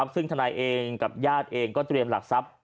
ซึ่งทนายเองกับญาติเองก็เตรียมหลักทรัพย์